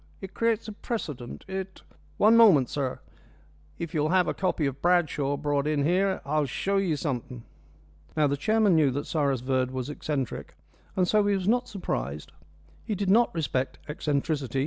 It creates a precedent. It " "One moment, sir. If you'll have a copy of Bradshaw brought in here I'll show you something." Now, the chairman knew that Cyrus Verd was eccentric, and so he was not surprised. He did not respect eccentricity.